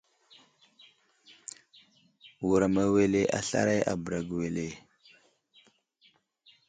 Wuram awele a slaray a bəra wele ?